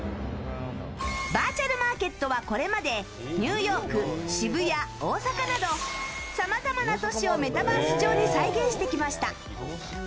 バーチャルマーケットはこれまでニューヨーク、渋谷大阪など、さまざまな都市をメタバース上に再現してきました。